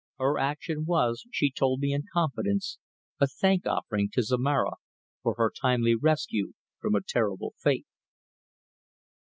Her action was, she told me in confidence, a thank offering to Zomara for her timely rescue from a terrible fate.